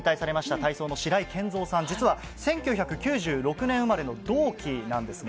体操の白井健三さん、実は１９９６年生まれの同期なんですね。